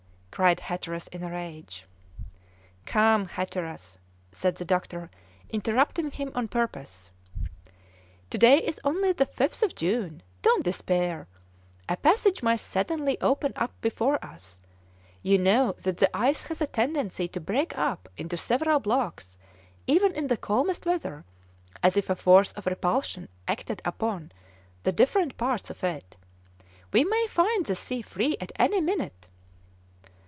cried Hatteras in a rage. "Come, Hatteras," said the doctor, interrupting him on purpose, "to day is only the 5th of June; don't despair; a passage may suddenly open up before us; you know that the ice has a tendency to break up into several blocks, even in the calmest weather, as if a force of repulsion acted upon the different parts of it; we may find the sea free at any minute."